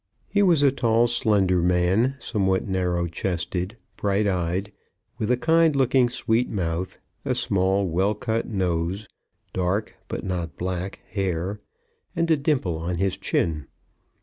He was a tall, slender man, somewhat narrow chested, bright eyed, with a kind looking sweet mouth, a small well cut nose, dark but not black hair, and a dimple on his chin.